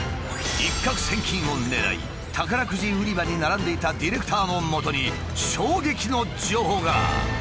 一獲千金を狙い宝くじ売り場に並んでいたディレクターのもとに衝撃の情報が。